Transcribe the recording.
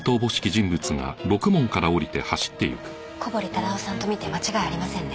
小堀忠夫さんと見て間違いありませんね。